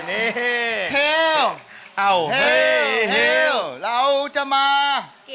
เทวเราจะมา